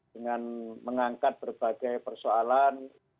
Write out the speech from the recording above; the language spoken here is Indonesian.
dengan mengangkat berbagai persoalan